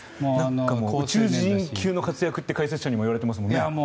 宇宙人級の活躍って解説者にも言われてますよね。